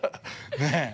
ねえ。